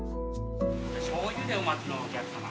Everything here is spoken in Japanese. しょうゆでお待ちのお客さま。